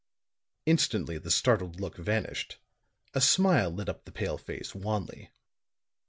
Instantly the startled look vanished; a smile lit up the pale face, wanly.